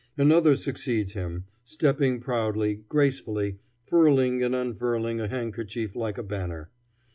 Another succeeds him, stepping proudly, gracefully, furling and unfurling a handkerchief like a banner.